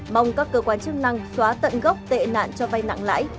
mong các cơ quan chức năng xóa tận gốc tệ nạn cho vay nặng lãi